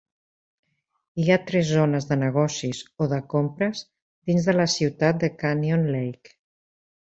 Hi ha tres zones de negocis o de compres dins de la ciutat de Canyon Lake.